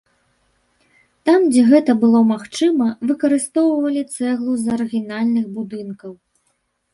Там, дзе гэта было магчыма, выкарыстоўвалі цэглу з арыгінальных будынкаў.